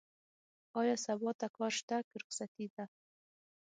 ايا سبا ته کار شته؟ که رخصتي ده؟